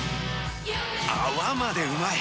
泡までうまい！